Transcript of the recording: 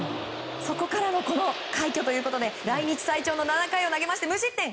そこからの快挙ということで来日最長の７回を投げ無失点。